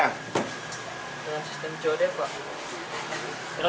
dengan sistem jodoh pak